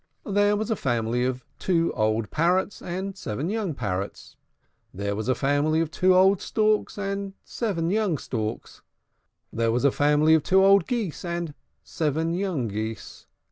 There was a family of two old Parrots and seven young Parrots. There was a family of two old Storks and seven young Storks. There was a family of two old Geese and seven young Geese.